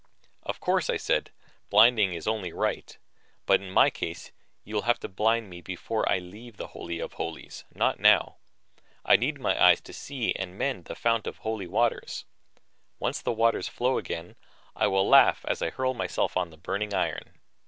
"Of course," I said, "blinding is only right. But in my case you will have to blind me before I leave the Holy of Holies, not now. I need my eyes to see and mend the Fount of Holy Waters. Once the waters flow again, I will laugh as I hurl myself on the burning iron."